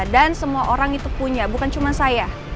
dan semua orang itu punya bukan cuma saya